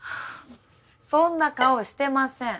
そんな顔してません。